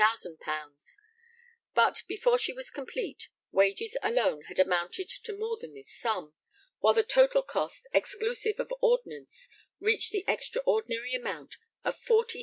_; but, before she was complete, wages alone had amounted to more than this sum, while the total cost, exclusive of ordnance, reached the extraordinary amount of 40,833_l.